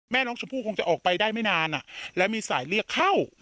แม่น้องชมพู่คงจะออกไปได้ไม่นานแล้วมีสายเรียกเข้า